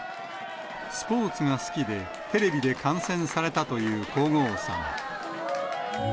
スポーツが好きで、テレビで観戦されたという皇后さま。